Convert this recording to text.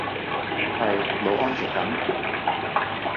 係，冇安全感